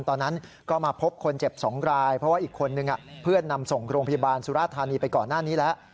ตอนนั้นก็มาพบคนเจ็บ๒รายเพราะว่าอีกคนนึงเพื่อนนำส่งโรงพยาบาลสุราธานีไปก่อนหน้านี้แล้ว